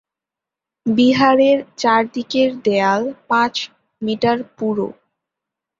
বিহারের চার দিকের দেয়াল পাঁচ মিটার পুরু।